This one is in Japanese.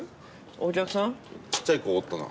ちっちゃい子おったな。